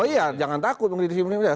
oh iya jangan takut mengkritisi pemerintah